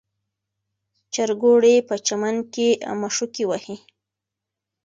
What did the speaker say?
چرګوړي په چمن کې مښوکې وهي.